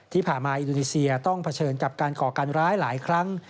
ที่ผ่านมาอินโดนีเซียต้องเผชิญกับการก่อการร้ายหลายครั้ง